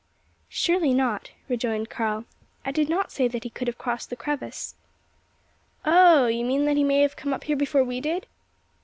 "Surely not," rejoined Karl. "I did not say that he could have crossed the crevasse." "Oh! you mean that he may have come up here before we did?"